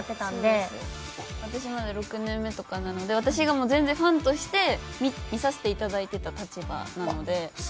私まだ６年目とかなので私がもう全然ファンとして見させていただいてた立場なので。